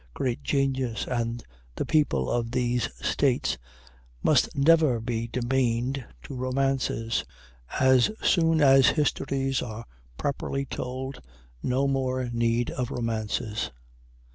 Great genius and the people of these States must never be demean'd to romances. As soon as histories are properly told, no more need of romances.